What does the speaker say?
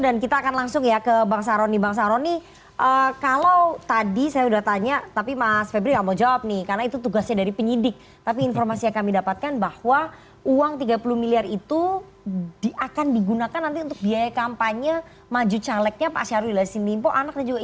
dari partai ini bagaimana